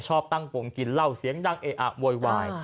ชอบตั้งวงกินเหล้าเสียงดังเออะโวยวาย